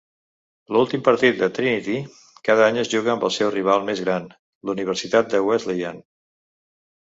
L'últim partit de Trinity cada any es juga amb el seu rival més gran, la Universitat de Wesleyan.